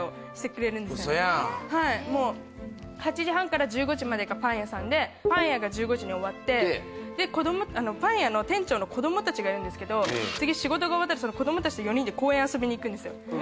はいもう８時半から１５時までがパン屋さんでパン屋が１５時に終わってでパン屋の店長の子供達がいるんですけど次仕事が終わったらその子供達と４人で公園遊びに行くんですよ